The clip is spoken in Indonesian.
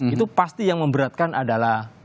itu pasti yang memberatkan adalah